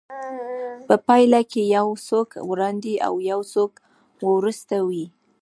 په پايله کې يو څوک وړاندې او يو څوک وروسته وي.